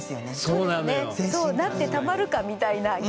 そうなってたまるかみたいな逆に。